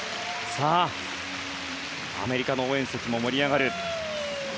さあ、アメリカの応援席も盛り上がる。